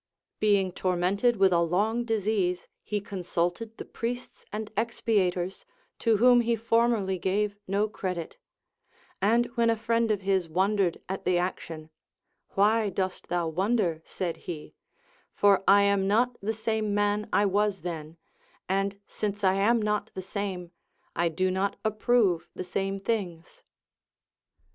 Being tormented with a long disease, he consulted the priests and expiators, to Avhom he formerly gave no credit ; and Avhen a friend of his wondered at the action, AVhy dost thou wonder, said he, for I am not the same man I was then ; and since I am not the same, I do not approve the same things.